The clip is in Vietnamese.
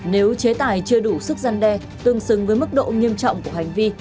nếu chế tài chưa đủ sức gian đe tương xứng với mức độ nghiêm trọng của hành vi